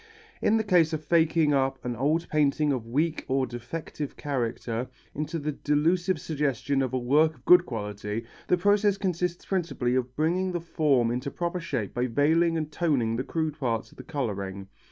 In the case of faking up an old painting of weak or defective character, into the delusive suggestion of a work of good quality, the process consists principally of bringing the form into proper shape by veiling and toning the crude parts of the colouring.